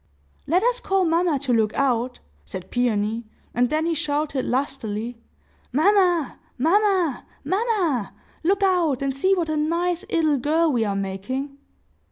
'" "Let us call mamma to look out," said Peony; and then he shouted lustily, "Mamma! mamma!! mamma!!! Look out, and see what a nice 'ittle girl we are making!"